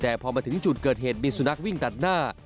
แต่พอมาถึงจุดเกิดเหตุมีสุนัขวิ่งตัดหน้า